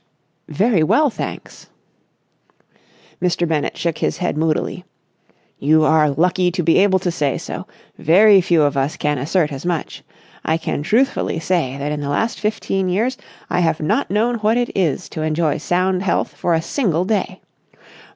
"Very well, thanks." Mr. Bennett shook his head moodily. "You are lucky to be able to say so! Very few of us can assert as much. I can truthfully say that in the last fifteen years I have not known what it is to enjoy sound health for a single day.